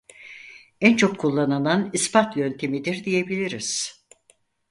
En çok kullanılan ispat yöntemidir diyebiliriz.